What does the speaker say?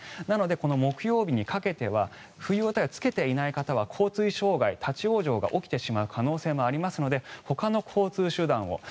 なので、木曜日にかけては冬用タイヤをつけていない方は交通障害、立ち往生が起きてしまう可能性がありますのでほかの交通手段を。